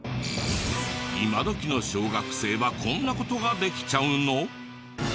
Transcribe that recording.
今どきの小学生はこんな事ができちゃうの？